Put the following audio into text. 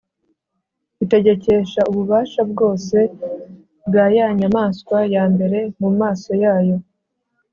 Itegekesha ububasha bwose bwa ya nyamaswa ya mbere mu maso yayo,